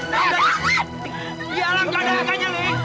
lihat mas lepas